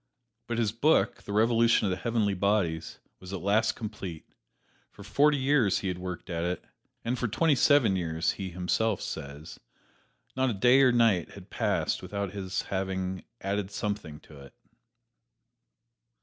But his book, "The Revolution of the Heavenly Bodies," was at last complete. For forty years he had worked at it, and for twenty seven years, he himself says, not a day or a night had passed without his having added something to it.